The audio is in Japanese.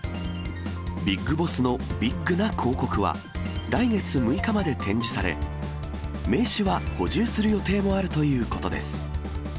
ビッグボスのビッグな広告は、来月６日まで展示され、名刺は補充する予定もあるということです。